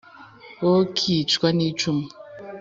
w o kicwa n' icumu